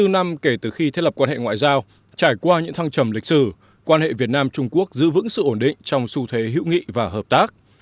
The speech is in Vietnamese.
bốn mươi năm năm kể từ khi thiết lập quan hệ ngoại giao trải qua những thăng trầm lịch sử quan hệ việt nam trung quốc giữ vững sự ổn định trong xu thế hữu nghị và hợp tác